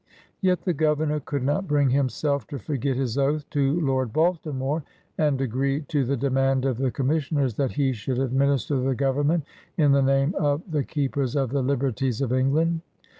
Yet the Governor could not bring him self to forget his oath to Lord Baltimore and agree to the demand of the Commissioners that he should administer the Government in the name of *'the Keepers of the Liberties of England.''